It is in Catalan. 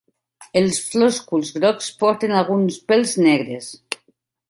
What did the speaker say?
Els flòsculs grocs porten alguns pèls negres.